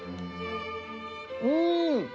うん！